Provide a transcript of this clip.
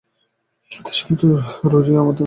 তাঁর সঙ্গে তো রোজই আমার দেখা হয়।